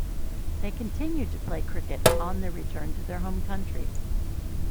They continued to play cricket on their return to their home country.